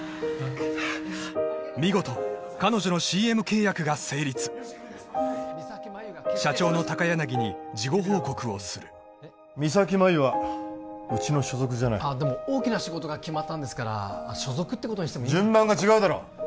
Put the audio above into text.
見事彼女のＣＭ契約が成立社長の高柳に事後報告をする三咲麻有はうちの所属じゃないあでも大きな仕事が決まったんですから所属ってことにしても順番が違うだろ！